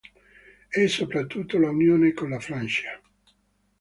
E soprattutto, l'unione con la Francia.